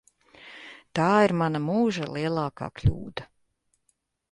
Tā ir mana mūža lielākā kļūda.